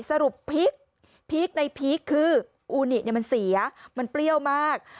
สรุปพีคพีคในพีคคืออูนิจมันเสียมันเปรี้ยวมาก